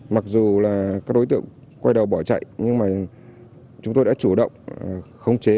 mặc dù là các đối tượng quay đầu bỏ chạy nhưng mà chúng tôi đã chủ động khống chế